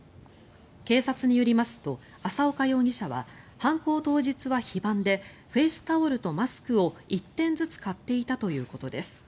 警察によりますと淺岡容疑者は犯行当日は非番でフェースタオルとマスクを１点ずつ買っていたということです。